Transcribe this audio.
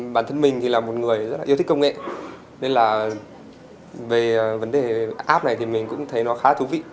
bản thân mình thì là một người rất là yêu thích công nghệ nên là về vấn đề app này thì mình cũng thấy nó khá là thú vị